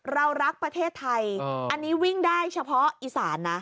เรารักประเทศไทยอันนี้วิ่งได้เฉพาะอีสานนะ